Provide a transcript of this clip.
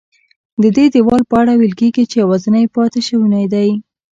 ددې دیوال په اړه ویل کېږي چې یوازینی پاتې شونی دی.